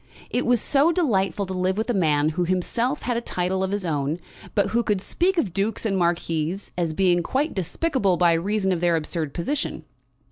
It was so delightful to live with a man who himself had a title of his own, but who could speak of dukes and marquises as being quite despicable by reason of their absurd position.